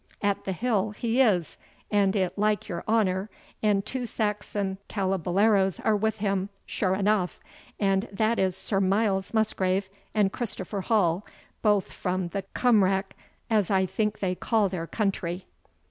"At the hill he is, an it like your honour, and two Saxon calabaleros are with him sure eneugh; and that is Sir Miles Musgrave and Christopher Hall, both from the Cumraik, as I think they call their country."